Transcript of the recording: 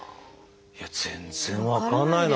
いや全然分かんないな。